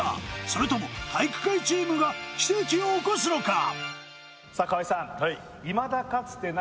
それとも体育会チームが奇跡を起こすのか？